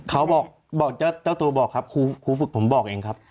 เขาบอกบอกเจ้าตัวบอกครับครูฝึกผมบอกเองครับ